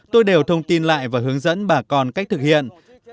tôi đều thông tin lại và hướng dẫn bà con cách thực hiện